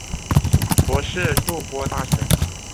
博士筑波大学。